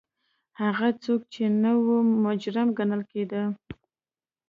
هغه څوک چې نه و مجرم ګڼل کېده.